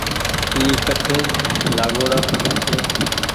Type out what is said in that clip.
اي ڪٺ لآگآئو ڙآ ڇي ۔